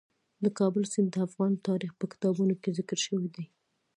د کابل سیند د افغان تاریخ په کتابونو کې ذکر شوی دي.